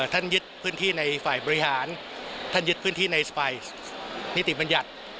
ยึดพื้นที่ในฝ่ายบริหารท่านยึดพื้นที่ในสปายนิติบัญญัติ